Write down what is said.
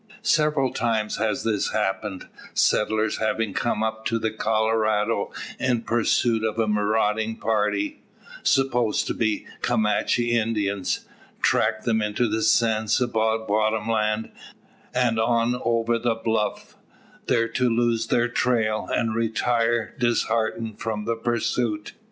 Several times has this happened; settlers having come up the Colorado in pursuit of a marauding party supposed to be Comanche Indians tracked them into the San Saba bottom land, and on over the bluff there to lose their trail, and retire disheartened from the pursuit.